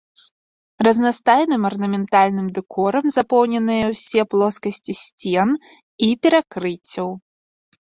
Разнастайным арнаментальным дэкорам запоўненыя ўсе плоскасці сцен і перакрыццяў.